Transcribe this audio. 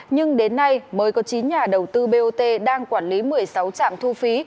nhưng đến nay mới có chín nhà đầu tư bot đang quản lý một mươi sáu trạm thu phí